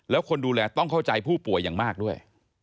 แล้วคนดูแลต้องเข้าใจผู้ป่วยอย่างมากด้วย